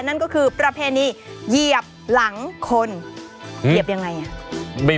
นั่นก็คือประเพณีเหยียบหลังคนเหยียบยังไงอ่ะ